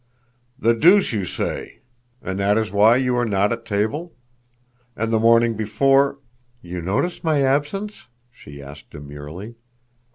"The deuce you say! And that is why you were not at table? And the morning before—" "You noticed my absence?" she asked demurely.